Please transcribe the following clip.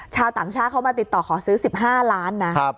ชาวต่างชาติเขามาติดต่อขอซื้อ๑๕ล้านนะ